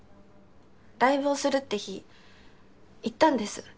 ライブをするって日行ったんです。